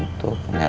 ya itu kenyataan